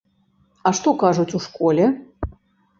А што кажуць у школе?